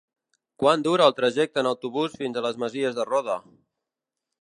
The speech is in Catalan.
Quant dura el trajecte en autobús fins a les Masies de Roda?